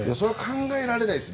考えられないです。